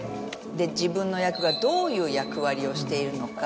自分の役がどういう役割をしているのか。